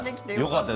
よかった。